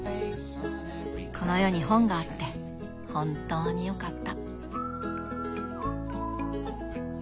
この世に本があって本当によかった。